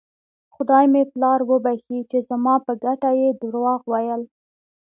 خدای مې پلار وبښي چې زما په ګټه یې درواغ ویل.